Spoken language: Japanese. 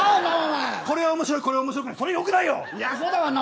これは面白いこれ面白くない、良くないよ。